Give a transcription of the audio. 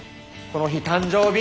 この日誕生日！